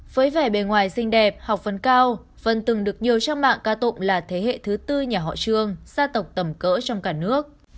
với vẻ bề ngoài xinh đẹp học phân cao vân từng được nhiều trang mạng ca tụng là thế hệ thứ tư nhà họ trương gia tộc tầm cỡ trong cả nước